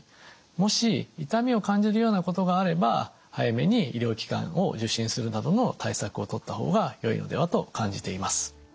もし痛みを感じるようなことがあれば早めに医療機関を受診するなどの対策をとった方がよいのではと感じています。